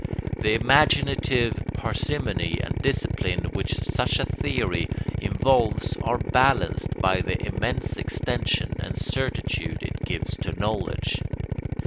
The imaginative parsimony and discipline which such a theory involves are balanced by the immense extension and certitude it gives to knowledge.